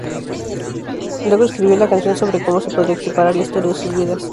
Luego escribió la canción sobre cómo se podría equiparar la historia de sus vidas.